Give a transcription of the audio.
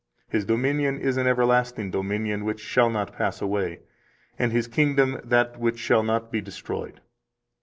His dominion is an everlasting dominion, which shall not pass away, and His kingdom that which shall not be destroyed.